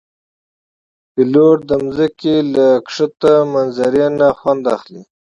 پیلوټ د ځمکې له ښکته منظر نه خوند اخلي.